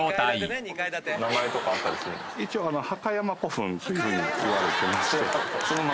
一応「墓山古墳」という風に言われてまして。